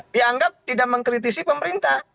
dianggap tidak mengkritisi pemerintah